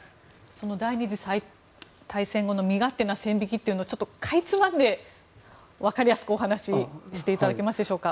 第２次世界大戦後の身勝手な線引きというのをちょっとかいつまんでわかりやすくお話ししていただけますでしょうか。